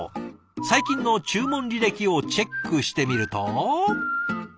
最近の注文履歴をチェックしてみると。